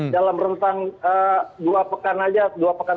dalam rencang dua pekan